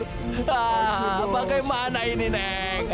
hah bagaimana ini neng